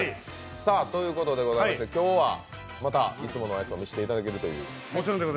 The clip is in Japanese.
ということで今日は、またいつものやつを見せていただけるという。